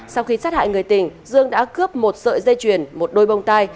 sau khi sát hại người tình dương đã cướp một sợi dây chuyền một đôi bông tai